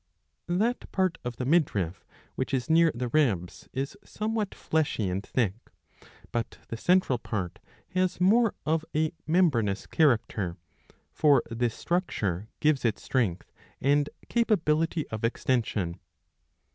That part of the midriff which is near the ribs is somewhat fleshy and thick ; but the central part has more of a membranous character, for this structure gives it strength and capability of extension.